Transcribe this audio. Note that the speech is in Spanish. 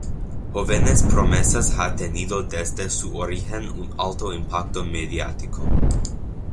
Jóvenes Promesas ha tenido desde su origen un alto impacto mediático.